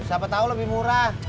siapa tahu lebih murah